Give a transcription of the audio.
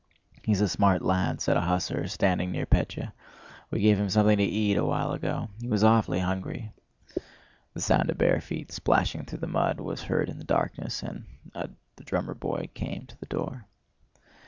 "He's a smart lad," said an hussar standing near Pétya. "We gave him something to eat a while ago. He was awfully hungry!" The sound of bare feet splashing through the mud was heard in the darkness, and the drummer boy came to the door.